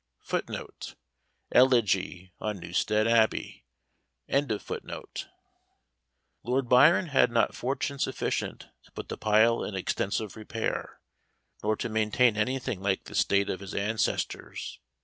[Footnote: Elegy on Newstead Abbey.] Lord Byron had not fortune sufficient to put the pile in extensive repair, nor to maintain anything like the state of his ancestors.